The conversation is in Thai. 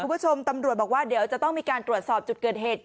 คุณผู้ชมตำรวจบอกว่าเดี๋ยวจะต้องมีการตรวจสอบจุดเกิดเหตุ